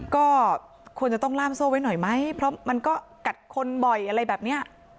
ก็ควรจะต้องล่ามโซ่ไว้หน่อยไหมเพราะมันก็กัดคนบ่อยอะไรแบบนี้